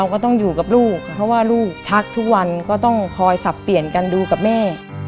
บทงานเมื่อกีศนอกของปีกกวาน